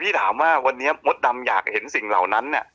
ถามว่าวันนี้มดดำอยากเห็นสิ่งเหล่านั้นเนี่ย